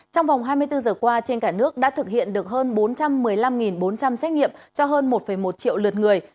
trong vòng hai mươi bốn giờ qua trên cả nước đã thực hiện được hơn bốn trăm một mươi năm bốn trăm linh xét nghiệm cho hơn một một triệu lượt người